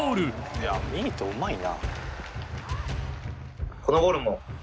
いやミートうまいな。